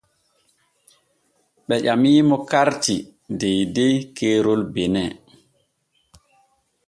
Ɓe ƴamimo karti deydey keerol Benin.